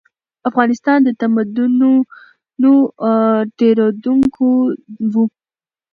افغانستان د تمدنونو تېرېدونکی و.